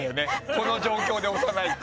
この状況で押さないって。